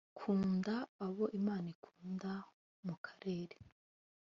kunda abo imana ikunda mukarere